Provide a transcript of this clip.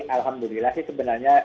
alhamdulillah sih sebenarnya